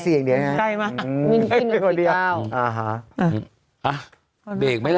เลข๔อย่างนี้ไงใกล้มาก